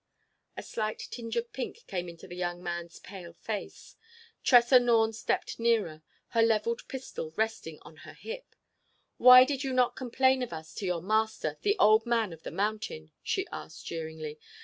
A slight tinge of pink came into the young man's pale face. Tressa Norne stepped nearer, her levelled pistol resting on her hip. "Why did you not complain of us to your Master, the Old Man of the Mountain?" she asked jeeringly.